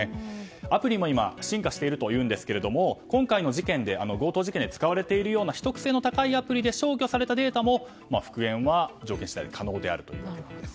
アプリも今進化しているといいますが今回の強盗事件で使われているような秘匿性の高いアプリで消去されたデータも復元は条件次第で可能であるそうです。